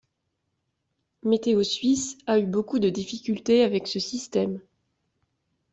MétéoSuisse a eu beaucoup de difficulté avec ce système.